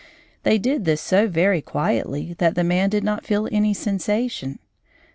They did this so very quietly that the man did not feel any sensation.